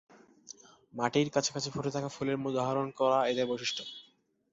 মাটির কাছাকাছি ফুটে থাকা ফুলের মধু আহরণ করা এদের বৈশিষ্ট্য।